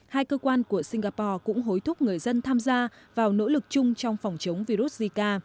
hai cơ quan của singapore cũng hối thúc người dân tham gia vào nỗ lực chung trong phòng chống virus zika